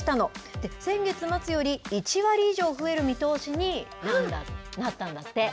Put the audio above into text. で、先月末より１割以上増える見通しになったんだって。